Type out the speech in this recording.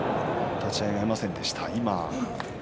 立ち合いが合いませんでした。